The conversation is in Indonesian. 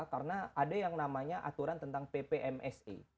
karena ada yang namanya aturan tentang ppmse